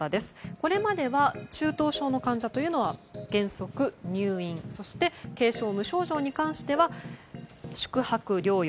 これまでは中等症の患者は原則入院そして、軽症・無症状に関しては宿泊療養。